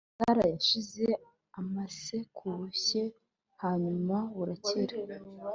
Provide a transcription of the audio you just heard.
sara yashyize amase ku bushye hanyuma burakira.